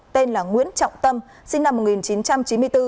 tên là nguyễn trọng tâm sinh năm một nghìn chín trăm chín mươi bốn